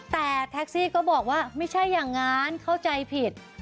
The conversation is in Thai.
แต่แท็กซี่ก็บอกว่าไม่ใช่อย่างนั้นเข้าใจผิด